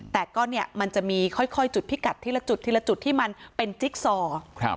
แต่ก็เนี่ยมันจะมีค่อยจุดพิกัดทีละจุดทีละจุดที่มันเป็นจิ๊กซอครับ